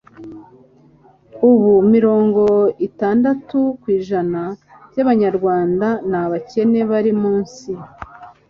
ubu mirongo itandatu ku ijana by'abanyarwanda ni abakene (bari munsi